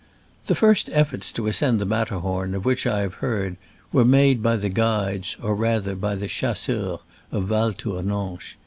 The first efforts to ascend the Matter horn of which I have heard were made by the guides — or rather by the chas seurs^ of Val Tournanche.